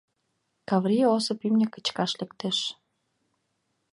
Каврий Осып имне кычкаш лектеш.